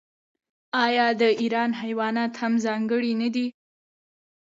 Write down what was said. آیا د ایران حیوانات هم ځانګړي نه دي؟